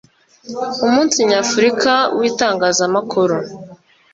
umunsi nyafurika w itangazamakuru